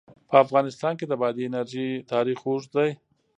په افغانستان کې د بادي انرژي تاریخ اوږد دی.